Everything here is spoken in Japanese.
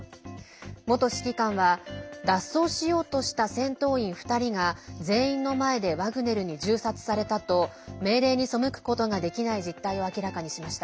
元指揮官は脱走しようとした戦闘員２人が全員の前でワグネルに銃殺されたと命令に背くことができない実態を明らかにしました。